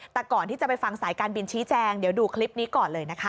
แต่ก่อนที่จะไปฟังสายการบินชี้แจงเดี๋ยวดูคลิปนี้ก่อนเลยนะคะ